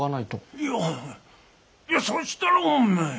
いやいやそしたらおめえ